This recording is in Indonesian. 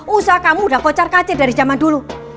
usaha kamu udah kocar kacir dari zaman dulu